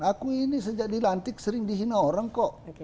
aku ini sejak dilantik sering dihina orang kok